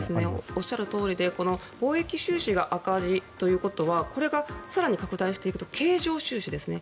おっしゃるとおりで貿易収支が赤字ということはこれが更に拡大していくと経常収支ですね。